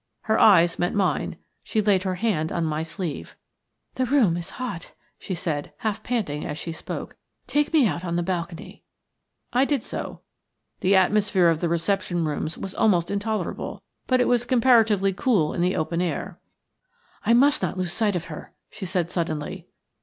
Her eyes met mine; she laid her hand on my sleeve. "The room is hot," she said, half panting as she spoke. "Take me out on the balcony." I did so. The atmosphere of the reception rooms was almost intolerable, but it was comparatively cool in the open air. "I must not lose sight of her," she said, suddenly.